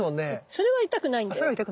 それは痛くないんだ。